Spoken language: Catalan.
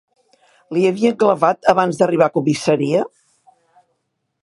Li havien clavat abans d'arribar a comissaria?